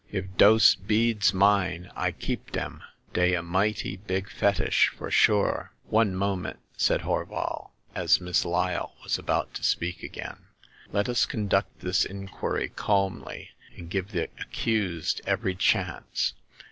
If dose beads mine, I keep dem ; dey a mighty big fetish, for sure !" One moment," said Horval, as Miss Lj^le ^was about to speak again ; "let us conduct this The Second Customer. 73 inquiry calmly, and give the accused every chance.